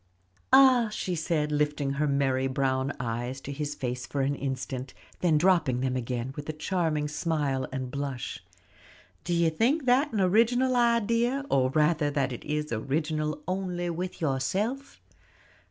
"Ah," she said, lifting her merry brown eyes to his face for an instant, then dropping them again, with a charming smile and blush, "do you think that an original idea, or rather that it is original only with yourself?"